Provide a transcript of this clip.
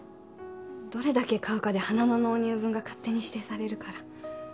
どれだけ買うかで花の納入分が勝手に指定されるから。